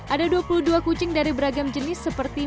ada dua puluh dua kucing dari beragam jenis seperti